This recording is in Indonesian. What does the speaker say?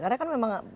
karena kan memang